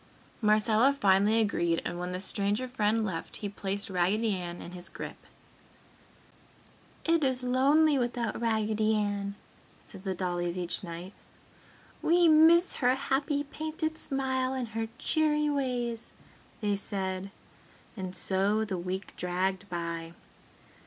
Marcella finally agreed and when the stranger friend left, he placed Raggedy Ann in his grip. "It is lonely without Raggedy Ann!" said the dollies each night. "We miss her happy painted smile and her cheery ways!" they said. And so the week dragged by....